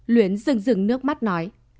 luyến rừng rừng nước mắt nói